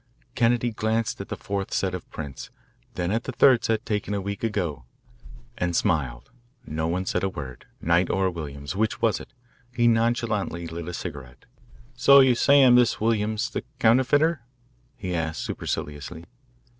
Kennedy glanced at the fourth set of prints, then at the third set taken a week ago, and smiled. No one said a word. Knight or Williams, which was it? He nonchalantly lit a cigarette. "So you say I am this Williams, the counterfeiter?" he asked superciliously.